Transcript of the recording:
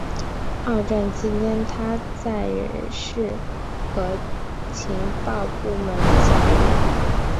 二战期间他在人事和情报部门效力。